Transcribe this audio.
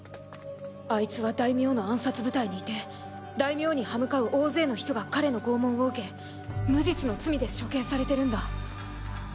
アイツは大名の暗殺部隊にいて大名に刃向かう大勢の人が彼の拷問を受け無実の罪で処刑されてるんだ。